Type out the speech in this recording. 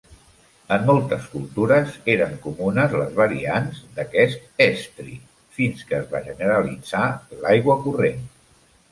En moltes cultures eren comunes les variants d'aquest estri fins que es va generalitzar l'aigua corrent.